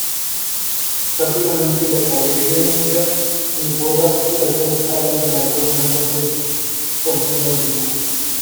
Rápidamente la caballería enemiga desborda las dos alas de la columna francesa, rompiendo filas.